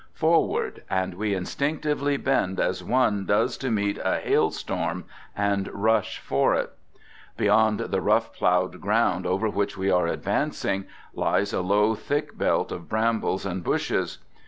Forward — and we instinctively bend as one does to meet a hail storm, and rush for it. Beyond the rough plowed ground over which we are advancing lies a low, thick belt of brambles and bushes.